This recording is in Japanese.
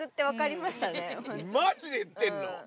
まじで言ってんの？